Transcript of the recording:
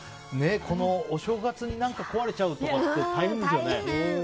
このお正月に何か壊れちゃうとかって大変ですよね。